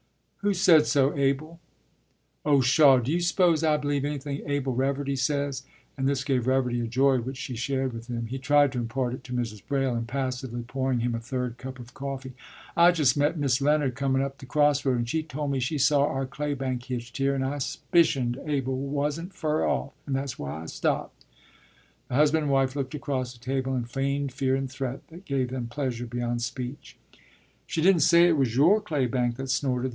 ” “Who said so? Abel?” “Oh, pshaw! D'you suppose I b'lieve anythin' Abel Reverdy says?” and this gave Reverdy a joy which she shared with him; he tried to impart it to Mrs. Braile, impassively pouring him a third cup of coffee. “I jes' met Mis' Leonard comun' up the crossroad, and she tol' me she saw our claybank hitched here, and I s'picioned Abel was'nt fur off, and that's why I stopped.” The husband and wife looked across the table in feigned fear and threat that gave them pleasure beyond speech. “She didn't say it was your claybank that snorted?